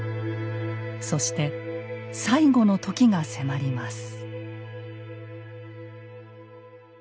そして最期の時が迫ります。